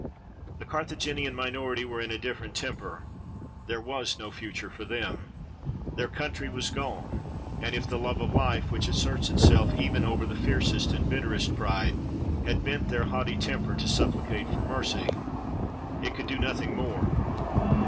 The Carthaginian minority were in a different temper. There was no future for them. Their country was gone, and if the love of life, which asserts itself even over the fiercest and bitterest pride, 293 NORTHERN AFRICA had bent their haughty temper to supplicate for mercy, it could do nothing more.